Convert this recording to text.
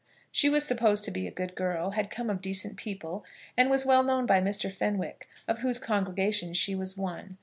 She was supposed to be a good girl, had come of decent people, and was well known by Mr. Fenwick, of whose congregation she was one.